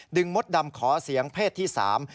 มดดำขอเสียงเพศที่สาม